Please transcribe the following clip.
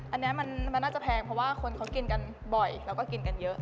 อันนี้มันน่าจะแพงเพราะว่าคนเขากินกันบ่อยแล้วก็กินกันเยอะ